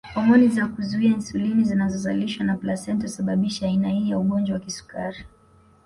Homoni za kuzuia insulini zinazozalishwa na plasenta husababisha aina hii ya ugonjwa wa kisukari